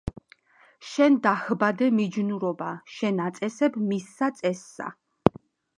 შენ დაჰბადე მიჯნურობა, შენ აწესებ მისსა წესსა